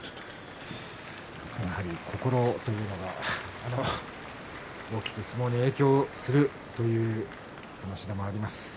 心というのは大きく相撲に影響するという話もあります。